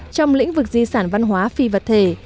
trong lĩnh vực di sản văn hóa phi vật thể